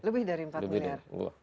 lebih dari empat miliar